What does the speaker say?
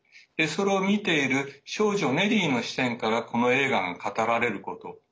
それを見ている少女ネリーの視点からこの映画が語られること。